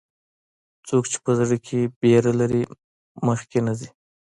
څوک چې په زړه کې ویره لري، مخکې نه ځي.